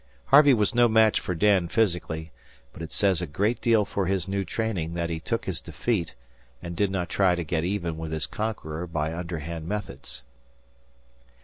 Harvey was no match for Dan physically, but it says a great deal for his new training that he took his defeat and did not try to get even with his conqueror by underhand methods.